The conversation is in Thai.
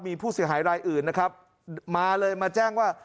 มีผู้เสียหายรายอื่นนะครับมาเลยมาแจ้งว่า